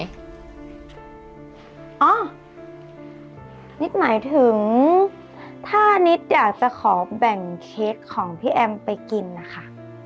นิดหมายถึงถ้านิดอยากจะขอแบ่งเค้กของพี่แอมไปกินนะคะ